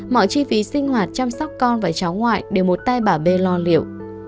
mọi chi phí sinh hoạt chăm sóc con và cháu ngoại đều một tay bà bê lo liệu